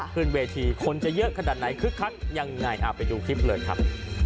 ขึ้นเวทีคนจะเยอะขนาดไหนคึกคักยังไงไปดูคลิปเลยครับ